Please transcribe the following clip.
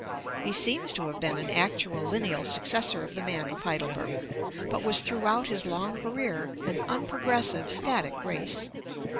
He seems to have been an actual lineal successor of the man of Hei delberg, but was throughout his long career an unprogres sive, static race.